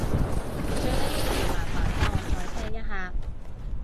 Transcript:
最尾一條麻煩幫我再聽一下